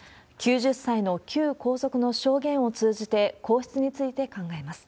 ９０歳の旧皇族の証言を通じて、皇室について考えます。